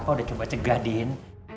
papa udah coba cegah din